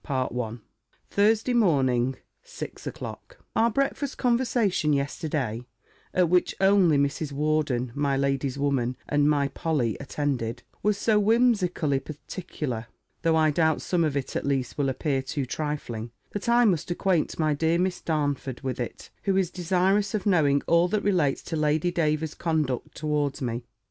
LETTER XXX THURSDAY MORNING, SIX O'CLOCK. Our breakfast conversation yesterday (at which only Mrs. Worden, my lady's woman, and my Polly attended) was so whimsically particular, (though I doubt some of it, at least, will appear too trifling) that I must acquaint my dear Miss Darnford with it, who is desirous of knowing all that relates to Lady Davers's conduct towards me.